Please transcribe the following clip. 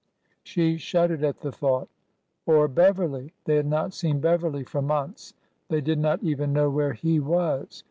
She shuddered at the thought. ... Or Beverly ! They had not seen Beverly for months — they did not even know where he was.